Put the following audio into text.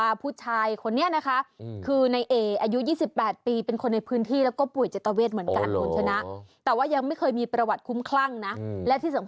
ดูจะคึกคักเป็นพิเศษนะ